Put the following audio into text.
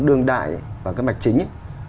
đương đại và cái mạch chính